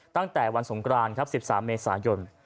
ตั้งแต่วันสงกรานครับ๑๓เมษายน